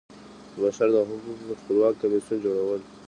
د بشر د حقوقو خپلواک کمیسیون جوړول.